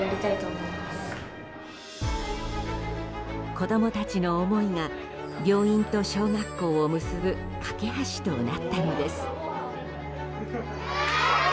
子供たちの思いが病院と小学校を結ぶ懸け橋となったのです。